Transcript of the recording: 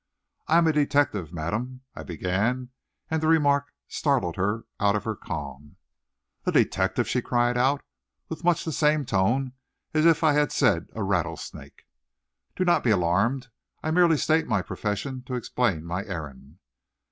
"I'm a detective, madam," I began, and the remark startled her out of her calm. "A detective!" she cried out, with much the same tone as if I had said a rattlesnake. "Do not be alarmed, I merely state my profession to explain my errand."